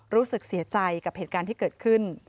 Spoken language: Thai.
รู้สึกเสียใจกับเหตุการณ์ที่เกิดขึ้น